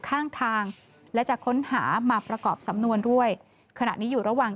ข้างทางและจะค้นหามาประกอบสำนวนด้วยขณะนี้อยู่ระหว่าง